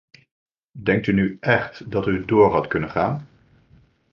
Denkt u nu echt dat u door had kunnen gaan?